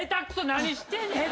何してんねん。